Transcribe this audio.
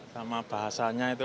sama bahasanya itu